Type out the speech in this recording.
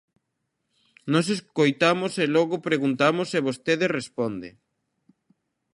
Nós escoitamos e logo preguntamos e vostede responde.